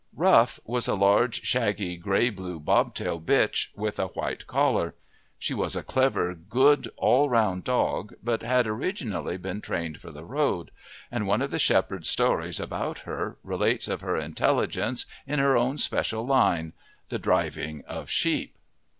Rough was a large, shaggy, grey blue bobtail bitch with a white collar. She was a clever, good all round dog, but had originally been trained for the road, and one of the shepherd's stories about her relates of her intelligence in her own special line the driving of sheep.